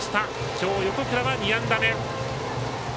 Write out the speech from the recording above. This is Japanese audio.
きょう、横倉は２安打目。